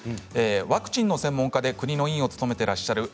ワクチンの専門家で国の委員を務めてらっしゃいます